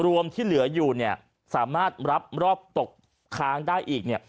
รวมที่เหลืออยู่เนี่ยสามารถรับรอบตกค้างได้อีกเนี่ย